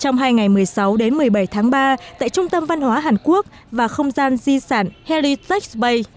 ngày một mươi sáu đến một mươi bảy tháng ba tại trung tâm văn hóa hàn quốc và không gian di sản halitax bay